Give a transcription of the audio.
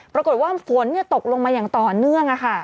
ปรากฏว่าฝนตกลงมาอย่างต่อเนื่อง